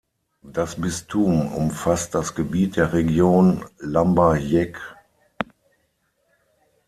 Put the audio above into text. Das Bistum umfasst das Gebiet der Region Lambayeque.